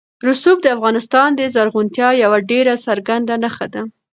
رسوب د افغانستان د زرغونتیا یوه ډېره څرګنده نښه ده.